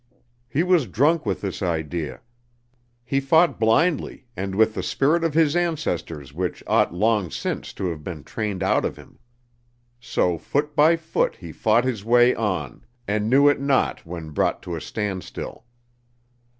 He was drunk with this idea. He fought blindly and with the spirit of his ancestors which ought long since to have been trained out of him. So foot by foot he fought his way on and knew it not when brought to a standstill.